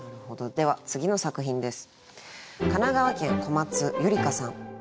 では次の作品です。